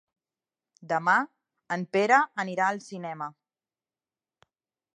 Demà en Pere anirà al cinema.